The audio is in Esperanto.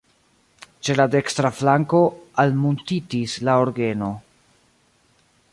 Ĉe la dekstra flanko almuntitis la orgeno.